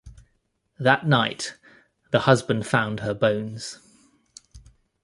That night, the husband found her bones.